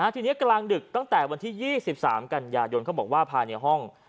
ทีนี้กลางดึกตั้งแต่วันที่๒๓กันยายนเขาบอกว่าภายในห้อง